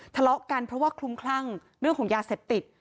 ทะเลาะกันเพราะว่าคลุมคลั่งเรื่องของยาเสพติด